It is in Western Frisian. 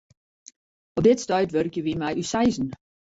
Op dit stuit wurkje wy mei ús seizen.